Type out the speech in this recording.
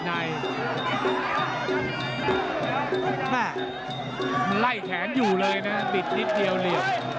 มันไล่แขนอยู่เลยนะติดนิดเดียวเรียน